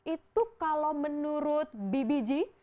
itu kalau menurut bbg